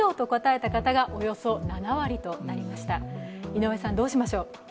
井上さん、どうしましょう。